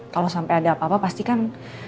kalau sampai ada apa apa pastikan